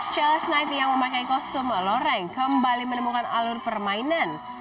chels knight yang memakai kostum loreng kembali menemukan alur permainan